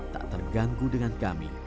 tak terganggu dengan kami